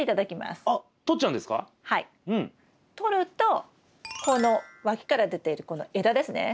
とるとこの脇から出ているこの枝ですね